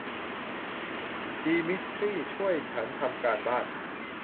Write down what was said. ดีมิสทรีช่วยฉันทำการบ้าน